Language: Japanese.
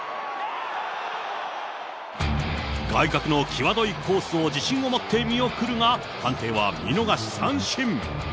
外角の際どいコースを自信を持って見送るが、判定は見逃し三振。